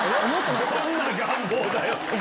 どんな願望だよ。